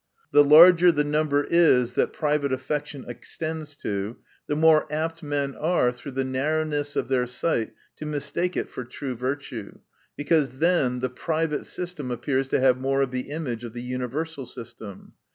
The larger the num ber is, that private affection extends to, the more apt men are, through the nar rowness of their sight, to mistake it for true virtue ; because then the private system appears to have more of the image of the universal system.